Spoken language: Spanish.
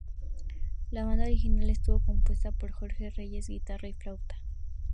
La banda original estuvo compuesta por: Jorge Reyes- guitarra y flauta.